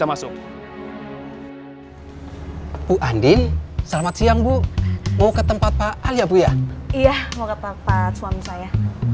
mbak andin pendek adalah bana